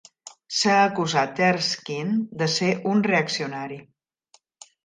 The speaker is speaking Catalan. S'ha acusat Erskine de ser un reaccionari.